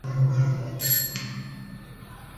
云南乡试乡试中举。